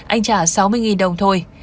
anh trả sáu mươi đồng thôi